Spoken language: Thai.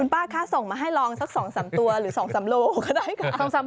ป้าคะส่งมาให้ลองสัก๒๓ตัวหรือ๒๓โลก็ได้ค่ะ